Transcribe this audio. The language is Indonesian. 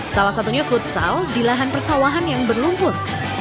salah satunya futsal di lahan persawahan yang berlumpur